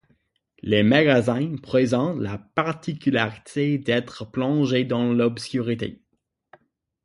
Les magasins présentent la particularité d'être plongés dans l'obscurité.